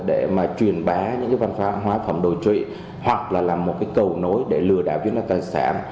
để mà truyền bá những cái văn pháp hóa phẩm đồ truy hoặc là làm một cái cầu nối để lừa đảo những cái tài sản